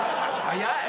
早い！